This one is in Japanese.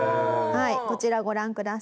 はいこちらご覧ください。